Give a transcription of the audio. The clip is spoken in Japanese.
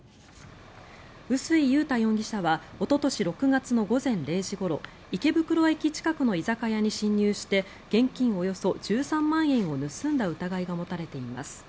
碓井祐太容疑者はおととし６月の午前０時ごろ池袋駅近くの居酒屋に侵入して現金およそ１３万円を盗んだ疑いが持たれています。